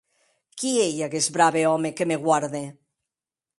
Qui ei aguest brave òme que me guarde?